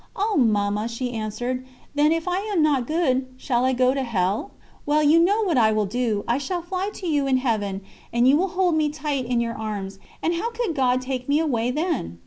'Oh, Mamma,' she answered, 'then if I am not good, shall I go to Hell? Well, you know what I will do I shall fly to you in Heaven, and you will hold me tight in your arms, and how could God take me away then?'